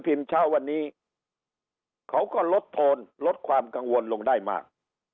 เช้าวันนี้เขาก็ลดโทนลดความกังวลลงได้มาก